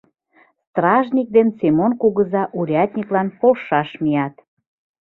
Стражник ден Семон кугыза урядниклан полшаш мият.